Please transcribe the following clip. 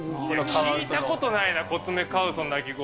聞いたことないな、コツメカワウソの鳴き声。